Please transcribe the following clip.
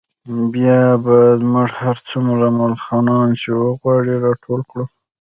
بیا به موږ هر څومره ملخان چې وغواړو راټول کړو